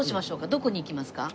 どこに行きますか？